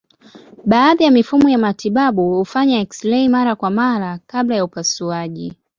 Baadhi ya mifumo ya matibabu hufanya eksirei mara kwa mara kabla ya upasuaji.